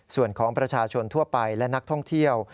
ส่วนของประชาชนทั่วไปและนักท่องเที่ยว